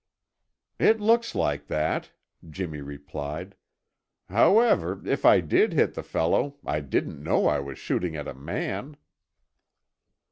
"It looks like that," Jimmy replied. "However, if I did hit the fellow, I didn't know I was shooting at a man."